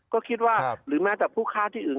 ก็คิดว่าหรือแม้แต่ผู้ฆ่าที่อื่น